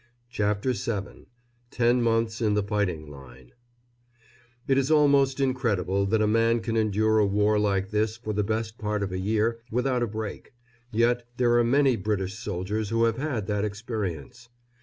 CHAPTER VII TEN MONTHS IN THE FIGHTING LINE [It is almost incredible that a man can endure a war like this for the best part of a year without a break; yet there are many British soldiers who have had that experience.